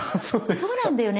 そうなんだよね。